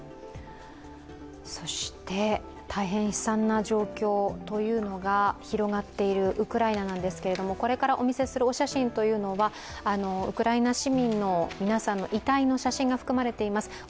そして大変悲惨な状況というのが広がっているウクライナなんですけれどもこれからお見せするお写真はウクライナ市民の皆さんの遺体の写真が含まれています。